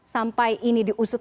sampai ini diusut